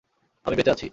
আমি বেঁচে আছি।